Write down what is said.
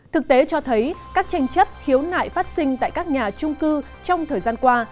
thực tế cho thấy các tranh chấp khiếu nại phát sinh tại các nhà trung cư trong thời gian qua